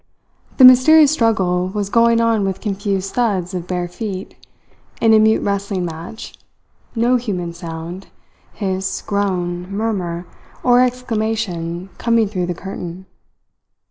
The mysterious struggle was going on with confused thuds of bare feet, in a mute wrestling match, no human sound, hiss, groan, murmur, or exclamation coming through the curtain.